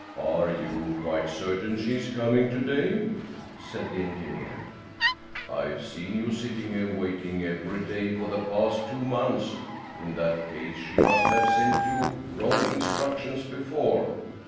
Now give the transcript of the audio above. "Are you quite certain she is coming to day?" said the engineer. "I've seen you sitting here waiting ever day for the past two months. In that case she must have sent you wrong instructions before."